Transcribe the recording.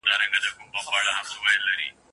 دلته هره تيږه کاڼئ بدخشان دی